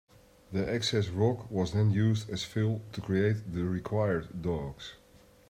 The excess rock was then used as fill to create the required docks.